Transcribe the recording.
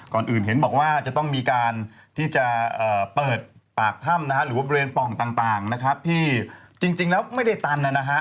ก่อนอื่นเห็นบอกว่าจะต้องมีการที่จะเปิดปากถ้ำนะฮะหรือว่าบริเวณป่องต่างนะครับที่จริงแล้วไม่ได้ตันนะฮะ